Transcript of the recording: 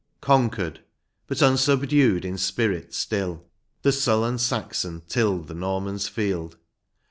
Conquered, but unsubdued in spirit still. The sullen Saxon tilled the Norman's field.